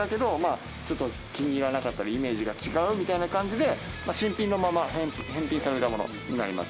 あちょっと気に入らなかったりイメージが違うみたいな感じで新品のまま返品されたものになります。